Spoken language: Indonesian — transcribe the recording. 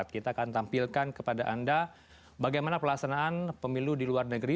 kita akan tampilkan kepada anda bagaimana pelaksanaan pemilu di luar negeri